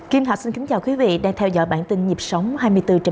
kim thạch xin kính chào quý vị đang theo dõi bản tin nhịp sóng hai mươi bốn h bảy